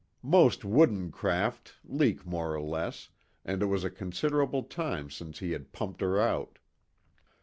Most wooden craft leak more or less, and it was a considerable time since he had pumped her out.